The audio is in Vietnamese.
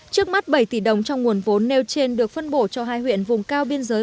trước mắt bảy tỷ đồng trong nguồn vốn nêu trên được phân bổ cho hai huyện vùng cao biên giới